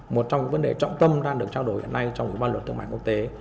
một trong vấn đề trọng tâm đang được trao đổi hiện nay trong ủy ban luật thương mại quốc tế